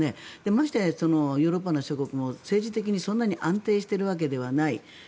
ましてやヨーロッパの諸国も政治的に、そんなに安定しているわけではない。